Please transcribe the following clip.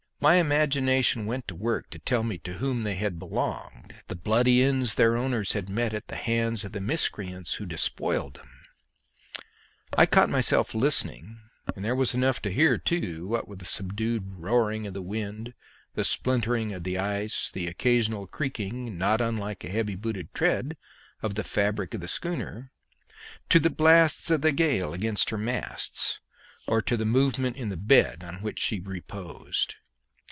My imagination went to work to tell me to whom they had belonged, the bloody ends their owners had met at the hands of the miscreants who despoiled them. I caught myself listening and there was enough to hear, too, what with the subdued roaring of the wind, the splintering of ice, the occasional creaking not unlike a heavy booted tread of the fabric of the schooner to the blasts of the gale against her masts, or to a movement in the bed on which she reposed.